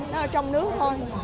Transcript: nó ở trong nước thôi